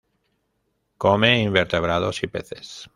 Come invertebrados y peces.